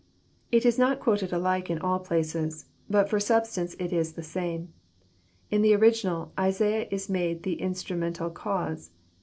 It is not quoted alike in all places, but for substance it is the same. In the original, Isaiah is made the Instrumental cause.